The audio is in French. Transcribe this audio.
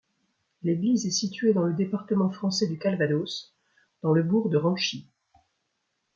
L'église est située dans le département français du Calvados, dans le bourg de Ranchy.